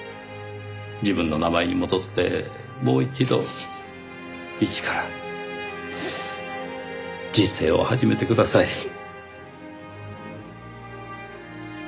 自分の名前に戻ってもう一度一から人生を始めてください。